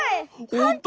ほんと！？